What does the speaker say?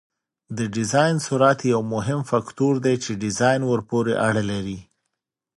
د ډیزاین سرعت یو مهم فکتور دی چې ډیزاین ورپورې اړه لري